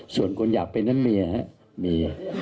ส่วนคนอยากเป็นนั้นมีครับมี